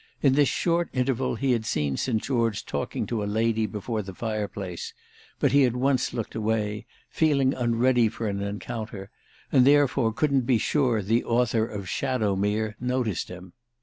In this short interval he had seen St. George talking to a lady before the fireplace; but he at once looked away, feeling unready for an encounter, and therefore couldn't be sure the author of "Shadowmere" noticed him.